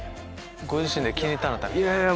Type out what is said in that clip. ご自身で気に入ったのあったら。